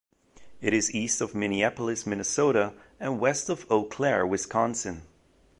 It is east of Minneapolis, Minnesota, and west of Eau Claire, Wisconsin.